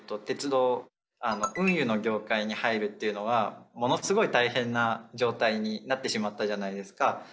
鉄道運輸の業界に入るっていうのはものすごい大変な状態になってしまったじゃないですか。